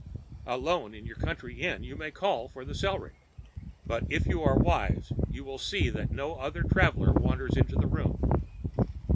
Alone in your country inn you may call for the celery; but if you are wise you will see that no other traveler wanders into the room.